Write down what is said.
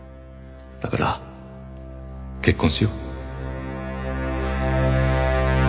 だから結婚しよう。